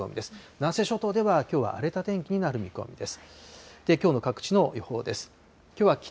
南西諸島ではきょうは荒れた天気になる見込みです。